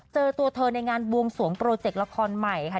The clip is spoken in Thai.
เจอตัวเธอในงานบวงสวงโปรเจกต์ละครใหม่ค่ะ